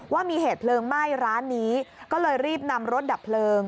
ว่ามีเหตุเพลิงไหม้ร้านนี้ก็เลยรีบนำรถดับเพลิง